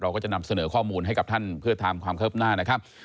ก็จะนำเสนอข้อมูลให้กับท่านเพื่อตามความคืบหน้านะครับ